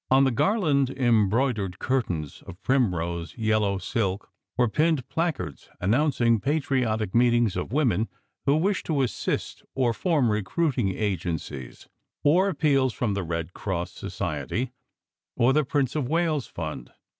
On the garland embroidered 256 SECRET HISTORY curtains of primrose yellow silk were pinned placards an nouncing patriotic meetings of women who wished to assist or form recruiting agencies; or appeals from the Red Cross Society or the Prince of Wales Fund.